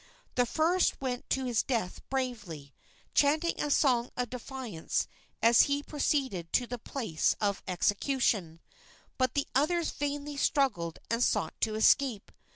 The first went to his death bravely, chanting a song of defiance as he proceeded to the place of execution, but the others vainly struggled and sought to escape.